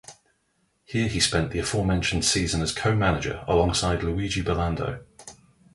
Here he spent the aforementioned season as a co-manager, alongside Luigi Burlando.